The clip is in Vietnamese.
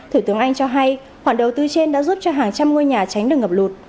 thủ tướng anh cho hay khoản đầu tư trên đã giúp cho hàng trăm ngôi nhà tránh được ngập lụt